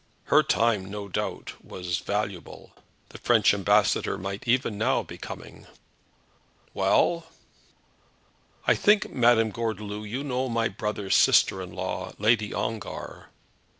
Her time, no doubt, was valuable. The French ambassador might even now be coming. "Well?" "I think, Madame Gordeloup, you know my brother's sister in law, Lady Ongar?"